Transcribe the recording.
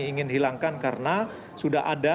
ingin hilangkan karena sudah ada